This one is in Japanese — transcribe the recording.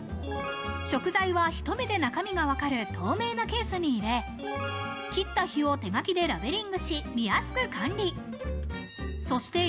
食材は、ひと目で中身がわかる透明なケースに入れ、切った日を手書きでラベリングし、見やすく管理。